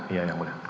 iya yang melihat